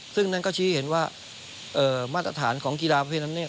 ซึ่งนั้นก็ชี้เห็นว่ามาตรฐานของกีฬาประเภทนั้นเนี่ย